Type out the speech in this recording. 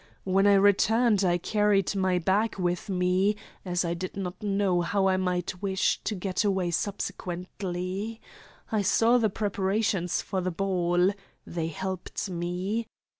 When I returned I carried my bag with me, as I did not know how I might wish to get away subsequently. I saw the preparations for the ball. They helped me.